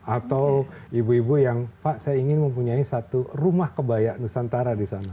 atau ibu ibu yang pak saya ingin mempunyai satu rumah kebaya nusantara di sana